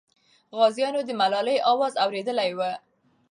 غازیانو د ملالۍ اواز اورېدلی وو.